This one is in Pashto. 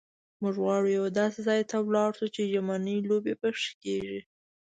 موږ غواړو یوه داسې ځای ته ولاړ شو چې ژمنۍ لوبې پکښې کېږي.